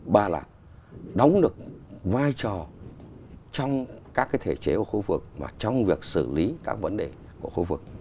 ba là đóng được vai trò trong các thể chế của khu vực và trong việc xử lý các vấn đề của khu vực